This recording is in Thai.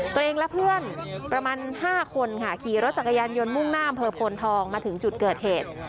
ตัวเองและเพื่อนประมาณ๕คนค่ะขี่รถจักรยานยนต์มุ่งหน้าอำเภอโพนทองมาถึงจุดเกิดเหตุ